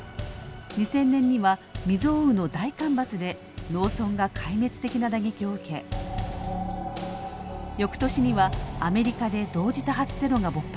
２０００年には未曽有の大干ばつで農村が壊滅的な打撃を受け翌年にはアメリカで同時多発テロが勃発。